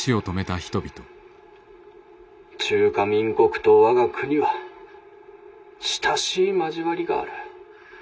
中華民国と我が国は親しい交わりがある。